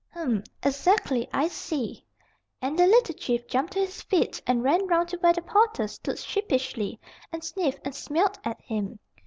"Hum; exactly; I see;" and the little Chief jumped to his feet and ran round to where the porter stood sheepishly, and sniffed and smelt at him.